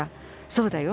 そうだよ。